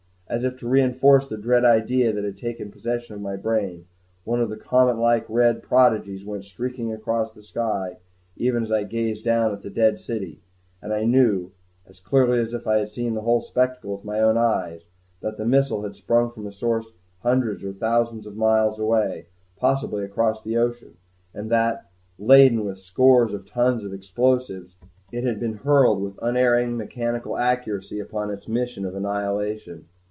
As if to reinforce the dread idea that had taken possession of my brain, one of the comet like red prodigies went streaking across the sky even as I gazed down at the dead city; and I knew as clearly as if I had seen the whole spectacle with my own eyes that the missile had sprung from a source hundreds or thousands of miles away, possibly across the ocean; and that, laden with scores of tons of explosives, it had been hurled with unerring mechanical accuracy upon its mission of annihilation.